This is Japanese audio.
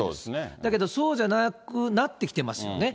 だけどそうじゃなくなってきてますよね。